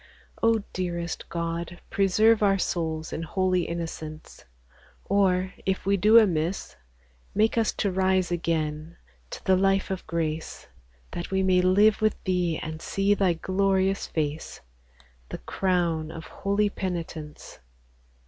O dearest God, preserve our souls In holy innocence ! Or, if we do amiss, Make us to rise again to th' life of Grace, That we may live with Thee and see Thy glorious face, The Crown of holy penitence.